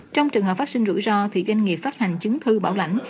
trong trường hợp phát sinh rủi ro thì doanh nghiệp phát hành chứng thư bảo lãnh